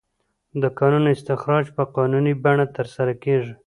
د کانونو استخراج په قانوني بڼه ترسره کیږي.